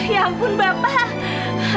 ya ampun bapak